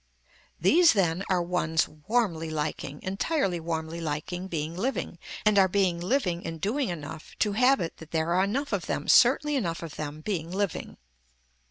These then are ones warmly liking, entirely warmly liking being living and are being living and doing enough to have it that there are enough of them certainly enough of them being living.